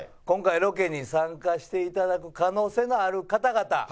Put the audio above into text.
今回ロケに参加していただく可能性のある方々